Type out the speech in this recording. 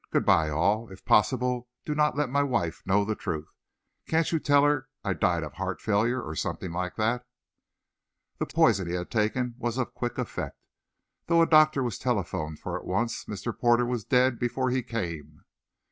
Good by, all. If possible, do not let my wife know the truth. Can't you tell her I died of heart failure or something like that?" The poison he had taken was of quick effect. Though a doctor was telephoned for at once, Mr. Porter was dead before he came.